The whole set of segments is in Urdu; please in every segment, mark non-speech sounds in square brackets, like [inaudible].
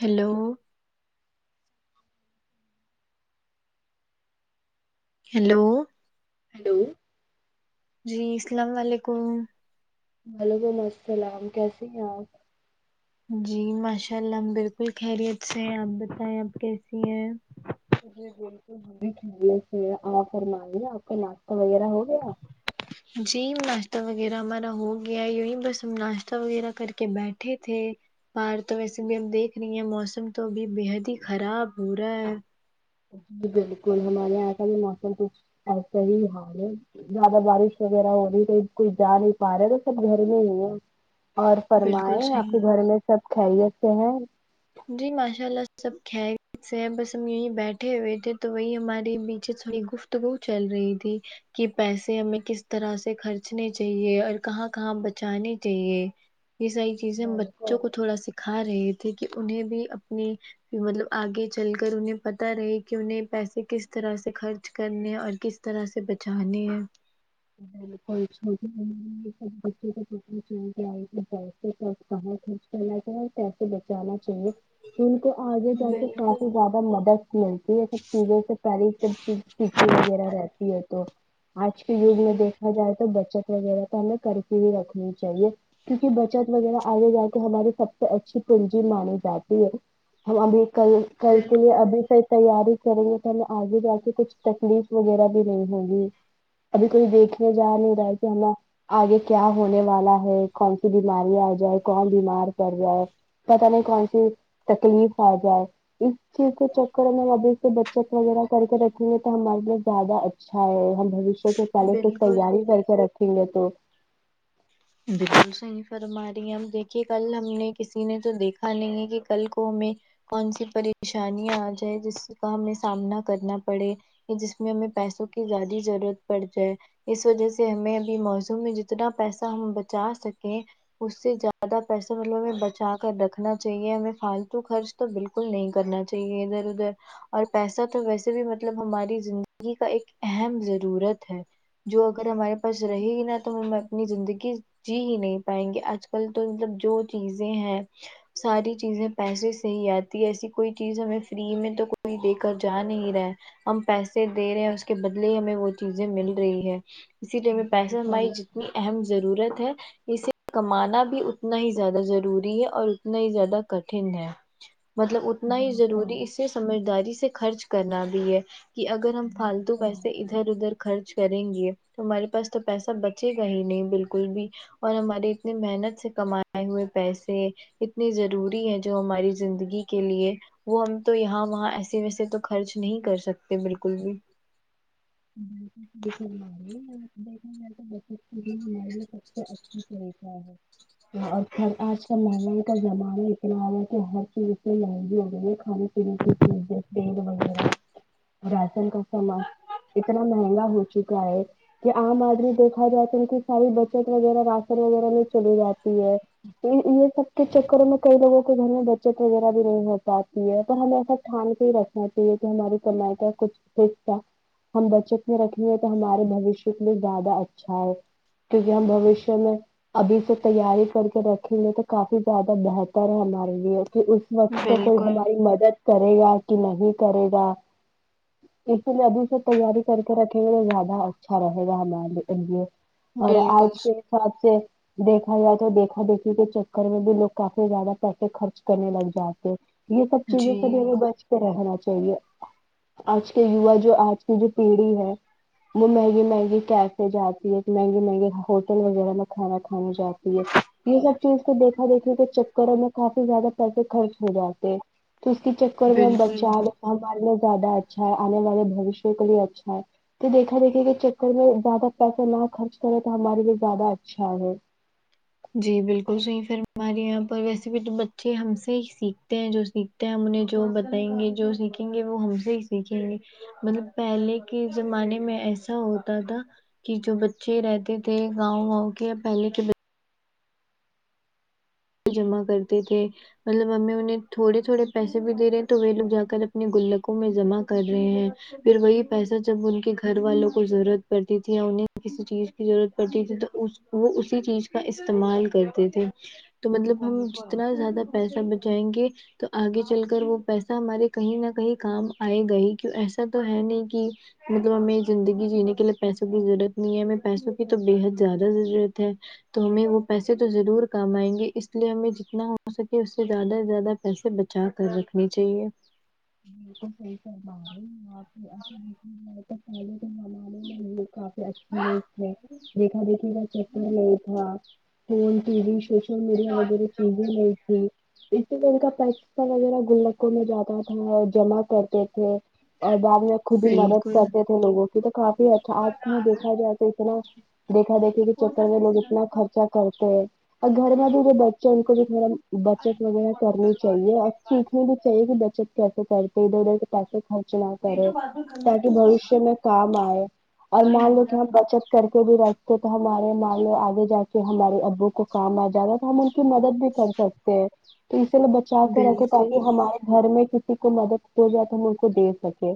ہیلو ہیلو ہیلو جی سلام و علیکم وعلیکم السلام کیسے ہیں آپ جی ماشاء اللہ ہم بالکل خیریت سے ہیں آپ بتائیں آپ کیسی ہیں جی بالکل ہم بھی خیریت سے آپ فرماے آپ کا ناشتہ وغیرہ ہو گیا جی ناشتہ وغیرہ ہمارا ہو گیا یوہی بس ہم ناشتہ وغیرہ کر کے بیٹھے تھے باہر تو ویسے بھی ہم دیکھ رہی ہیں موسم تو ابھی بےحد ہی خراب ہو رہا ہے جی بالکل ہمارے یہاں ایسا بھی موسم کچھ ایسا ہی حال ہے یہاں پے بارش وغیرہ ہو رہی تو کوئی جا نہیں پارے تو سب گھر میں ہی ہے اور فرمائے بالکل آپ صحیح کے گھر میں سب خیریت سے ہیں جی ماشاء اللہ سب خیریت سے بس ہم یہیں بیٹھے ہوئے تھے تو وہی ہمارری بیچڑی گفت تگو چل رہی تھی کہ پیسے ہمیں کس طرح سے خرچنے چاہیے اور کہاں کہاں بچانے چاہیے یہ ساری چیزیں ہم بالکل بچوں کو تھوڑا سکھا رہے تھے کہ انہیں بھی اپنی مطلب آگے چل کر انہیں پتا رہے کہ انہیں پیسے کس طرح سے خرچ کرنے اور کس طرح سے بچانے ہے بالکل [unintelligible] [unintelligible] چاہے پیسے بچانا چاہیے ان کو آگے جا کے بالکل کافی زیادہ مدد [unintelligible] ہے سب چیزوں سے پاری سب چیز تھی وغیرہ رہتی ہے تو آج کے یگ میں جی دیکھا جائے تو بچت وغیرہ تو ہمیں کرکے ہی رکھنا چاہیے کیونکہ بچت وغیرہ آگے جا کے ہماری سب سے اچھی پنجی مانی جاتی ہے ہم ابھی کل کل کے لیے بالکل ابھی سے تیاری کریں گے پھلے آگے جا کے کچھ تکلیف وغیرہ بھی نہیں ہوگی ابھی کوئی دیکھنے جا نہیں رہا ہے کہ ہے نا آگے کیا ہونے والا ہے کون سی بیماریاں آ جائے کون بیمار پڑ جائے پتا نہیں کون سی تکلیف آ جائے اس [unintelligible] ابھی سے بچت وغیرہ کر کے رکھیں گے تو ہمارے لیے زیادہ اچھا ہے ہم بھشیہ کیونکہ پہلے سے بالکل تیاری کر کے رکھیں گے تو بالکل صحیح فرما رہی ہیں اب دیکھیے کل ہم نے کسی نے تو دیکھا نہیں ہے کہ کل کو ہمیں کون سی پریشانیاں آ جائے جس کا ہمیں سامنا کرنا پڑے کہ جس میں ہمیں پیسوں کی زیادی ضرورت پڑ جائے اس وجہ سے ہمیں ابھی موضوع میں جتنا پیسہ ہم بچا سکیں اس سے زیادہ پیسہ [unintelligible] بچا کر رکھنا چاہیے ہمیں فالتو خرچ تو بالکل نہیں کرنا چاہیے ادھر ادھر اور پیسہ تو ویسے بھی مطلب ہماری زندگی کا ایک اہم ضرورت ہے جو اگر ہمارے پاس رہے نا تو ہم اپنی زندگی جی ہی نہیں پائیں گے آج کل تو مطلب جو چیزیں ہیں ساری چیزیں پیسے سے ہی آتی ایسی کوئی چیز ہمیں فری میں تو کوئی دے کر جا نہیں رہا ہم پیسے دے رہے ہیں اس کے بدلے ہی ہمیں وہ چیزیں مل رہی ہے اسی لیے ہمیں پیسہ بالکل ہماری جتنی اہم ضرورت ہے اسے کمانا بھی اتنا ہی زیادہ ضروری ہے اور اتنا ہی زیادہ کٹھن ہے مطلب اتنا ہی بالکل ضروری اسے سمجھداری سے خرچ کرنا بھی ہے کہ اگر ہم فالتو بالکل پیسے ادھر ادھر خرچ کریں گے تو ہمارے پاس تو پیسہ بچے گا ہی نہیں بال کل بھی اور ہمارے اتنی محنت سے کمائے ہوئے پیسے اتنی ضروری ہے جو ہماری زندگی کے لیے وہ ہم تو یہاں وہاں ایسے ویسے تو خرچ نہیں کر سکتے بالکل بھی [unintelligible] اچھا طریقہ ہے اور کھر آج [unintelligible] ہر چیز اتنی مہنگی ہو گئی ہے کھانے پینے کی چیزیں تیل وغیرہ راشن کا سامان اتنا مہنگا ہو چکا ہے کہ عام آدمی دیکھا جاۓ تو ان کی ساری بچت وغیرہ راشن وغیرہ میں چلی جاتی ہے تو یہ سب کے چکروں میں کئی لوگوں کے گھر میں بچت وغیرہ بھی نہیں ہو پاتی ہے تو ہمیں ایسا ٹھان کے ہی رکھنا چاہیے کہ ہماری کمائی کا کچھ حصہ ہم بچت میں رکھیں گے تو ہمارے بھوشیہ کے لیے زیادہ اچھا ہے کیونکہ ہم بھوشیہ میں ابھی سے تیاری کر کے رکھیں گے تو کافی زیادہ بہتر ہے ہمارے لیے کہ اس وقت کو کوئی بالکل ہماری مدد کرے گا کہ نہیں کرے گا اس لیے ابھی سے تیاری کر کے رکھیں گے تو زیادہ اچھا رہے گا ہمارے لیے اور بالکل آج کے حساب سے دیکھا جائے تو دیکھا دیکھی کے چکر میں بھی لوگ کافی زیادہ پیسے خرچ کرنے لگ جاتے یہ سب چیزوں جی سے بھی بچ کے رہنا چاہیے آج کے یوا جو آج کی جو پیڑھی ہے وہ مہنگی مہنگی کیفے جاتی ہے مہنگے مہنگے ہوٹل وغیرہ میں کھانا کھانے جاتی ہے یہ سب چیز تو دیکھا دیکھے کے چکروں میں کافی زیادہ پیسے خرچ ہو جاتے تو اس کے چکر میں ہم بالکل بچے آنے مارے میں زیادہ اچھا ہے آنے والے بھشیہ کے لیے اچھا ہے تو دیکھا دیکھے کہ چکر میں زیادہ پیسہ نہ خرچ کرے تو ہمارے لیے زیادہ اچھا ہے جی بالکل صحیح فرما رہی آپ پر ویسے بھی تو بچے ہم سے ہی سیکھتے ہیں جو سک ہم انہیں جو بتائیں گے جو سیکھیں گے وہ ہم سے ہی سیکھیں گے مطلب پہلے کے زمانے میں ایسا ہوتا تھا کہ جو بچے رہتے تھے گاؤں واؤں کے یا پہلے کے با جمع کرتے تھے مطلب امی انہیں تھوڑے تھوڑے پیسے بھی دے رہے ہیں تو وہ لوگ جا کر اپنے گلکوں میں جمع کر رہے ہیں پھر وہی پیسہ جب ان کے گھر والوں کو ضرورت پڑتی تھی یا انہیں کسی چیز کی ضرورت پڑتی تھی تو وہ اسی چیز کا استعمال کرتے تھے تو مطلب ہم بالکل جتنا زیادہ پیسہ بچائیں گے تو آگے چل کر وہ پیسہ ہمارے کہیں نہ کہیں کام آئے گئی کیوں ایسا تو ہے نہیں کہ مطلب ہمیں زندگی جینے کے لیے پیسوں کی ضرورت نہیں ہے ہمیں پیسوں کی تو بےحد زیادہ ضرورت ہے تو ہمیں وہ پیسے تو ضرور کام ائیں گے اس لیے ہمیں جتنا ہو سکے اس سے زیادہ سے زیادہ پیسے بچا کر رکھنے چاہیے بالکل صحیح فرما رہے آپ [unintelligible] ای ج تو پہلے کے زمانے میں کافی اچھے ل تھے دیکھا دیکھی کا چکر نہیں تھا phone T V social media وغیرہ چیزیں نہیں تھی اس لیے ان کا پیسہ وغیرہ گلکوں میں جاتا تھا جمع کرتے تھے اور بعد میں خود ہی مدد بالکل کرتے تھے لوگوں کی تو کافی اچھا آج دیکھا جائے تو اتنا دیکھا دیکھے کے چکر میں لوگ اتنا خرچہ کرتے ہیں اور گھر میں بھی جو بچے ہیں ان کو بھی تھوڑا بچت وغیرہ کرنی چاہیے اب سیکھنی بھی چاہیے کہ بچت کیسے کرتے ادھر ادھر سے پیسے خرچ نا کرے تاکہ بوشیہ میں کام آئے اور مان لو کہ ہم بچت کر کے بھی رکھتے تو ہمارے مان لو آگے جا کے کہ ہمارے ابو کو کام آ جائے گا تو ہم ان کی مدد بھی کر سکتے ہیں تو اسے لیے بچا کے رکھے بالکل تاکہ ہمارے گھر میں کسی کو مدد ہو جائے تو ہم ان کو دے سکے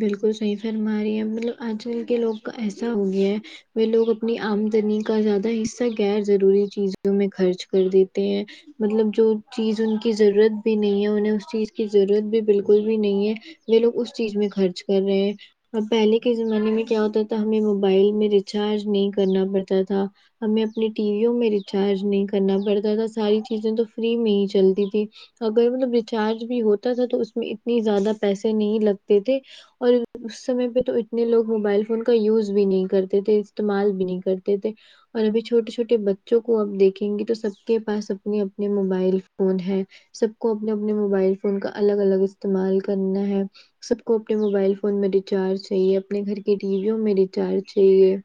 بالکل صحیح فرما رہی ہے مطلب آج کل کے لوگ کا ایسا ہو گیا ہے وہ لوگ اپنی آمدنی کا زیادہ حصہ غیر ضروری چیزوں میں خرچ کر دیتے ہیں مطلب جو چیز ان کی ضرورت بھی نہیں ہے انہیں اس چیز کی ضرورت بھی بالکل بھی نہیں ہے یہ لوگ اس چیز میں خرچ کر رہے ہیں اب پہلے کے زمانے میں کیا ہوتا تھا ہمیں موبائل میں ریچارج نہیں کرنا پڑتا تھا ہمیں اپنے ٹی ویوں میں ریچارج نہیں کرنا پڑتا تھا ساری چیزیں تو فری میں ہی چلتی تھیں اگر مطلب ریچارج بھی ہوتا تھا تو اس میں اتنے زیادہ پیسے نہیں لگتے تھے اور اس سمے پہ تو اتنے لوگ موبائل فون کا یوز بھی نہیں کرتے تھے استعمال بھی نہیں کرتے تھے اور ابھی چھوٹے چھوٹے بچوں کو آپ دیکھیں گے تو سب کے پاس اپنے اپنے موبائل فون ہے سب کو اپنے اپنے موبائل فون کا الگ الگ استعمال کرنا ہے سب کو اپنے موبائل فون میں ریچارج چاہیے اپنے گھر کی ٹی ویوں میں ریچارج چاہیے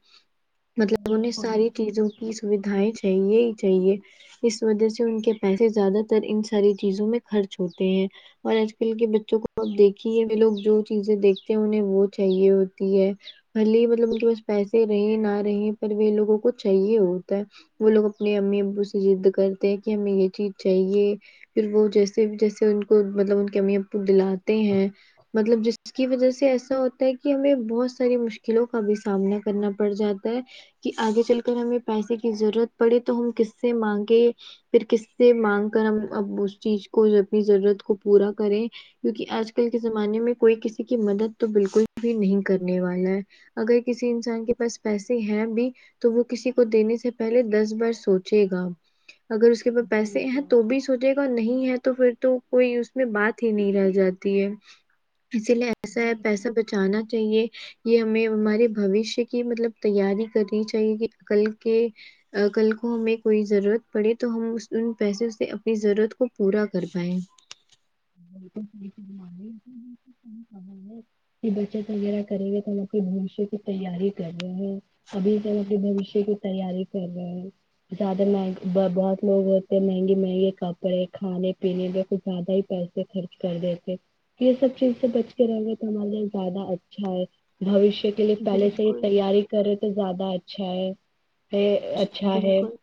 مطلب انہیں بالکل ساری چیزوں کی سودھائیں چاہیے ہی چاہیے اس وجہ سے ان کے پیسے زیادہ تر ان ساری چیزوں میں خرچ ہوتے ہیں اور آج کل کے بچوں کو اب دیکھیے لوگ جو چیزیں دیکھتے ہیں انہیں وہ چاہیے ہوتی ہے بھلی مطلب ان کے پاس پیسے رہے نہ رہے پر وہ لوگوں کو چاہیے ہوتا ہے وہ لوگ اپنے امی ابو سے ضد کرتے ہیں کہ ہمیں یہ چیز چاہیے پھر وہ جیسے جیسے ان کو مطلب ان کی امی ابو دلاتے ہیں مطلب جس کی وجہ سے ایسا ہوتا ہے کہ ہمیں بہت ساری مشکلوں کا بھی سامنا کرنا پڑ جاتا ہے کہ آگے چل کر ہمیں پیسے کی ضرورت پڑے تو ہم کس سے مانگے پھر کس سے مانگ کر ہم اب اس چیز کو اپنی ضرورت کو پورا کریں کیونکہ آج کل کے زمانے میں کوئی کسی کی مدد تو بالکل بھی نہیں کرنے والا ہے اگر کسی انسان کے پاس پیسے ہیں بھی تو وہ کسی کو دینے سے پہلے دس بار سوچے گا اگر اس کے پاس پیسے ہیں بالکل تو بھی سوچے گا نہیں ہے تو پھر تو کوئی اس میں بات ہی نہیں رہ جاتی ہے اسی لیے پسا ہے پیسہ بالکل بچانا چاہیے یہ ہمیں ہمارے بھوشیہ کی مطلب تیاری کرنی چاہیے کہ کل کے کل کو ہمیں کوئی ضرورت پڑے تو ہم ان پیسوں سے اپنی ضرورت کو پورا کر پائے [unintelligible] ہے کہ بچت وغیرہ کریں گے تو ہم اپنے بھوشیہ کی تیاری کر رہے ہیں ابھی ج بھوشیہ کی تیاری کر رہے زیادہ مہنگ بہت لوگ ہوتے ہیں مہنگے مہنگے کپڑے کھانے پینے میں کچھ زیادہ ہی پیس خرچ کر دیتے یہ سب چیز سے بچ کے رہ گے تو ہمارے لیے زیادہ اچھا ہے بھو شیہ کے لیے پہلے سے ہی بالکل تیاری کرے تو زیادہ اچھا ہے یہ جی اچھا ہے بالکل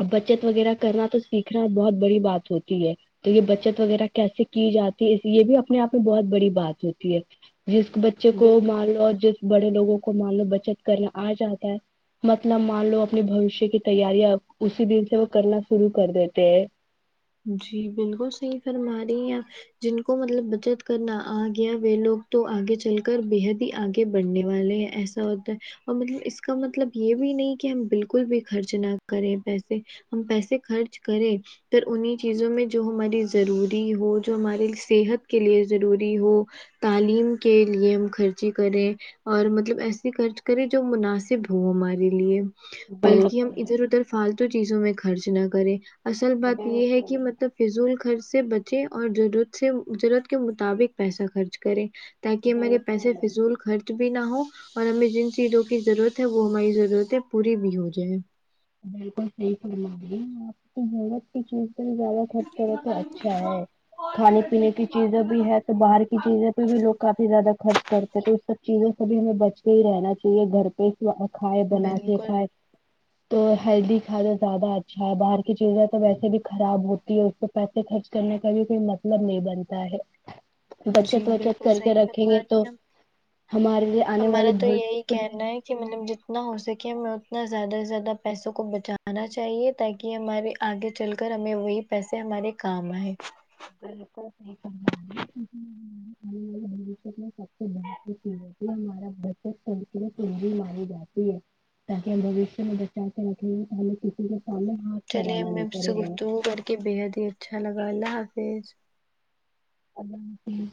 اب بچت وغیرہ کرنا تو سیکھنا بہت بڑی بات ہوتی ہے تو یہ بچت وغیرہ کیسے کی جاتی ہے اس یہ بھی اپنے آپ میں بہت بڑی بات ہوتی ہے جس بچے کو بالکل مار لو اور جس بڑے لوگوں کو مان لو بچت کرنا آ جاتا ہے مطلب مان لو اپنے بوشیہ کی تیاریاں اسی دن سے وہ کرنا شروع کر دیتے ہیں جی بالکل صحیح فرما رہی آپ جن کو مطلب بچت کرنا آ گیا وہ لوگ تو آگے چل کر بےحد ہی آگے بڑھنے والے ہیں ایسے ایسا ہوتا ہے اور مطلب اس کا مطلب یہ بھی نہیں کہ ہم بالکل بھی خرچ نہ کریں پیسے ہم پیسے خرچ کریں پھر انہیں چیزوں میں جو ہماری ضروری ہو جو ہمارے صحت کے لیے ضروری ہو تعلیم کے لیے ہم خرچی کریں اور مطلب ایسے خرچ کرے جو مناسب ہو ہمارے لیے بلکہ ہم بالکل ادھر ادھر فالتو چیزوں میں خرچ نہ کرے اصل بات یہ ہے بالکل کہ مطلب فضول خرچ سے بچے اور ضرورت سے ضرورت کے مطابق پیسہ خرچ کرے تاکہ میرے پیسے بالکل فضول خر چ بھی نہ ہو اور ہمیں جن چیزوں کی ضرورت ہے وہ ہماری ضرورتیں پوری بھی ہو جائے بالکل صحیح فرما رہی آپ کی ضرورت کی چیز زیادہ خرچ کرو تو اچھا ہے کھانے پینے کی چیزیں بھی ہے تو باہر کی چیزیں پہ بھی لوگ کافی زیادہ خرچ کرتے ہیں تو اس سب چیزوں سے بھی ہمیں بچ کے ہی رہنا چاہیے گھر پہ کھائے بنا کے بالکل کھائے تو ہیلدی کھانا زیادہ اچھا ہے باہر کی چیزیں تو ویسے بھی خراب ہوتی ہے اس پیسے خرچ کرنے کا بھی کوئی مطلب نہیں بنتا ہے جی بچت وچت بالکل کر کے صحیح رکھیں فرما گے رہی تو ہیں آپ۔ ہمارے لیے آنے والے ہمارا تو بھویشہ یہی کے کہنا ہے کہ مطلب جتنا ہو سکے ہمیں اتنا زیادہ سے زیادہ پیسوں کو بچانا چاہیے تاکہ ہمارے آگے چل کر ہمیں وہی پیسے ہمارے کام آئے [unintelligible] یہ چیزوں سے ہمارا بچت سنک تنجی مانی جاتی ہے تاکہ ہم بھوشیہ میں بچوں کے رکھیں گے ہمیں کسی کے سامنے ہاتھ چلے پھیلانا میں نہیں میم سے پڑے گا گفتگو کر کے بےحد ہی اچھا لگا اللہ حافظ اللہ حافظ